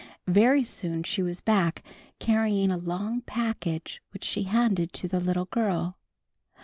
Very soon she was back, carrying a long package which she handed to the little girl.